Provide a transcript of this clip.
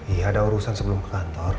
iya ada urusan sebelum ke kantor